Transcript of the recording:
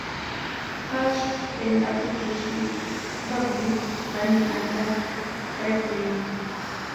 Such an application is probably running under Cygwin.